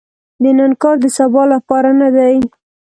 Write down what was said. د نن کار د سبا لپاره نه دي .